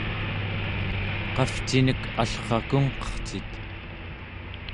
qavcinek allrakungqercit?